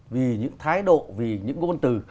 vì những thái độ vì những ngôn từ